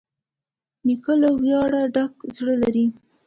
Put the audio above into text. نیکه له ویاړه ډک زړه لري.